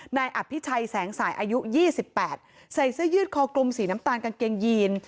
นายอภิชัยแสงสายอายุ๒๘ใส่เสื้อยืดคอกลมสีน้ำตาลกางเกงยีน